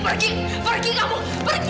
pergi kamu pergi